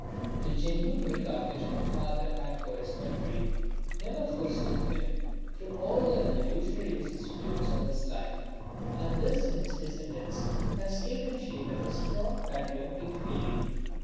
The genuine regard which my father had for his country never forsook him through all the revolutionary vicissitudes of his life, and this in his descendants has taken shape as a strong patriotic feeling.